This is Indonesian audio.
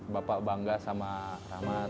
bapak bangga sama rahmat